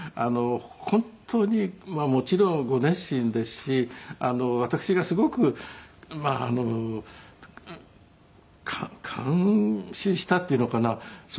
本当にまあもちろんご熱心ですし私がすごくまああの看視したっていうのかな？